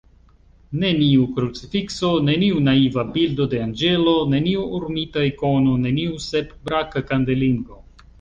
Neniu krucifikso, neniu naiva bildo de anĝelo, neniu orumita ikono, neniu sep-braka kandelingo.